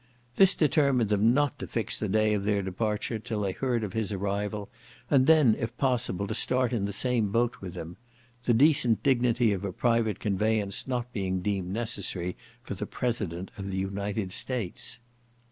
This determined them not to fix the day of their departure till they heard of his arrival, and then, if possible, to start in the same boat with him; the decent dignity of a private conveyance not being deemed necessary for the President of the United States.